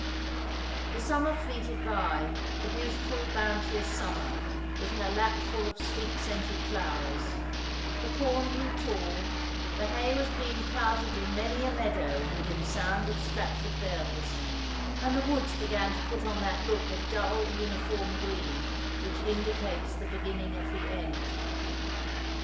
The summer fleeted by, the beautiful bounteous summer, with her lap full of sweet scented flowers ; the corn grew tall, the hay was being carted in ^ After my Might ful fayne tooM I You plese' 145 many a meadow within sound of Stratford bells ; and the woods began to put on that look of dull uniform green which indicates the beginning of the end.